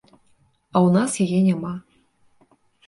А ў нас яе няма.